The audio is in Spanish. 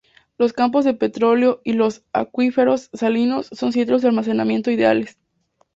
Los campos de petróleo y los acuíferos salinos son sitios de almacenamiento ideales.